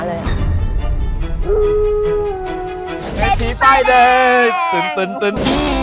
เททีป้ายแดง